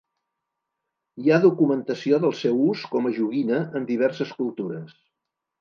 Hi ha documentació del seu ús com a joguina en diverses cultures.